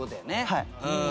はい。